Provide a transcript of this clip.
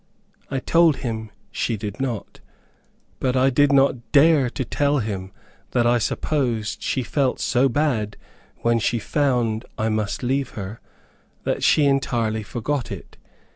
I told him she did not, but I did not dare to tell him that I supposed she felt so bad when she found I must leave her, that she entirely forgot it.